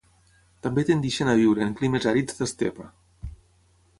També tendeixen a viure en climes àrids d'estepa.